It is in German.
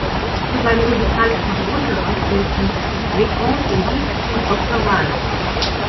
Zu seinen musikalischen Bewunderern zählten Leconte de Lisle und Oscar Wilde.